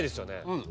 うん。